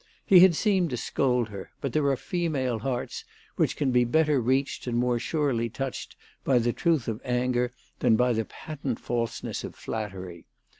He had seemed to scold her ; but there are female hearts which can be better reached and more surely touched by the truth of anger than by the patent falseness of flattery.